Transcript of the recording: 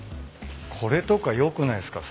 これとか良くないっすか？